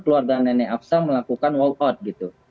keluarga nenek afsa melakukan walkout gitu